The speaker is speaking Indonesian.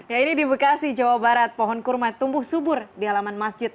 ya ini di bekasi jawa barat pohon kurma tumbuh subur di halaman masjid